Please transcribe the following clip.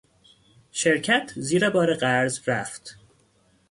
شرکت زیر بار قرض رفت.